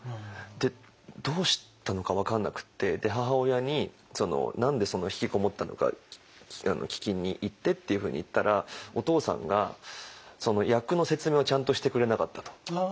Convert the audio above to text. でどうしたのか分かんなくって母親に「何でそんな引きこもったのか聞きにいって」っていうふうに言ったら「お父さんが役の説明をちゃんとしてくれなかった」と。